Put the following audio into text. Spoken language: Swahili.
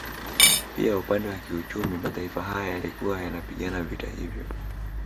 Pia upande wa kiuchumi mataifa haya yalikuwa yanapigana vita hivyo